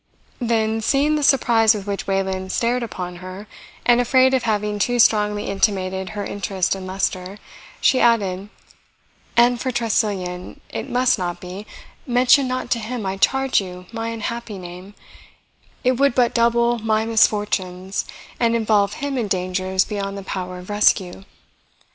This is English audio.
Then, seeing the surprise with which Wayland stared upon her, and afraid of having too strongly intimated her interest in Leicester, she added, "And for Tressilian, it must not be mention not to him, I charge you, my unhappy name; it would but double MY misfortunes, and involve HIM in dangers beyond the power of rescue."